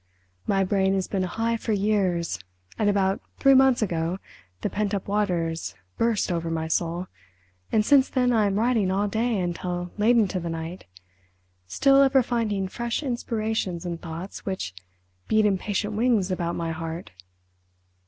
My brain has been a hive for years, and about three months ago the pent up waters burst over my soul, and since then I am writing all day until late into the night, still ever finding fresh inspirations and thoughts which beat impatient wings about my heart."